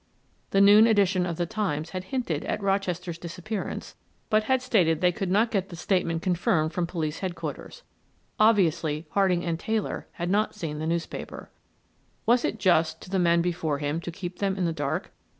The noon edition of the Times had hinted at Rochester's disappearance but had stated they could not get the statement confirmed from Police Headquarters; obviously Harding and Taylor had not seen the newspaper. Was it just to the men before him to keep them in the dark?